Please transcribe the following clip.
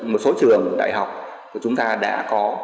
một số trường đại học của chúng ta đã có